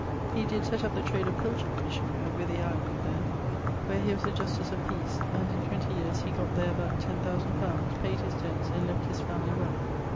He did set up the trade of pilchard fishing at Wythy Island there, where he was a Justice of Peace, and in 20 yeares he gott there about ten thousand pounds, payd his debts, and left his family well.